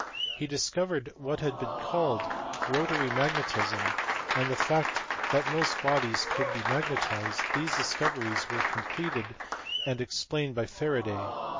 He discovered what has been called rotatory magnetism, and the fact that most bodies could be magnetized : these discoveries were completed and explained by Faraday.